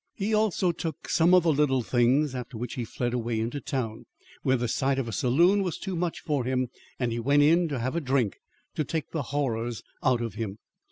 He also took some other little things; after which he fled away into town, where the sight of a saloon was too much for him and he went in to have a drink to take the horrors out of him.